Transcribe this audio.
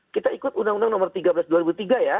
kita ikut undang undang nomor tiga belas dua ribu tiga ya